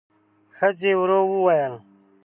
ښځې ورو وویل: